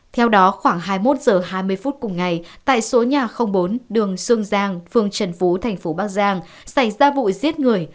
theo đó khoảng hai mươi một h hai mươi phút cùng ngày tại số nhà bốn đường sương giang phường trần phú thành phố bắc giang xảy ra vụ giết người